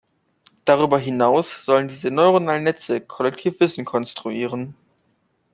Darüber hinaus sollen diese „neuronalen Netze“ kollektiv Wissen konstruieren.